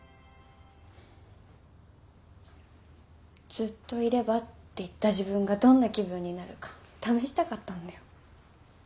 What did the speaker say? ずっといればって言った自分がどんな気分になるか試したかったんだよ。